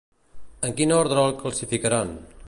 En quin orde el classificaran?